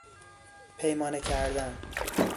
پیمانه کردن